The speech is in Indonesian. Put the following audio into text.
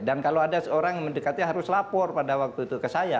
dan kalau ada seorang mendekati harus lapor pada waktu itu ke saya